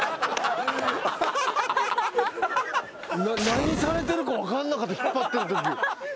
何されてるか分かんなかった引っ張ってるとき。